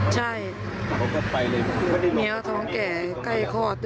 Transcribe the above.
ใช่เมียเขาท้องแก่ใกล้คอดด้วย